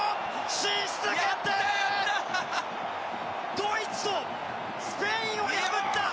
ドイツとスペインを破った！